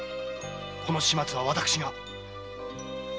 この始末は私が。